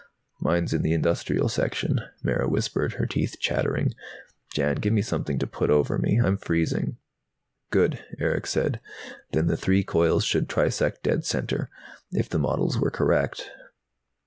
"Mine's in the industrial section," Mara whispered, her teeth chattering. "Jan, give me something to put over me! I'm freezing." "Good," Erick said. "Then the three coils should trisect dead center, if the models were correct."